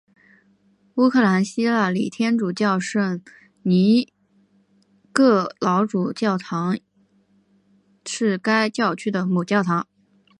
乌克兰希腊礼天主教圣尼各老主教座堂是该教区的母教堂。